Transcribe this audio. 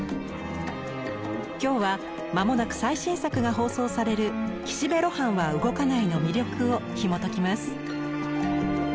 今日は間もなく最新作が放送される「岸辺露伴は動かない」の魅力をひもときます。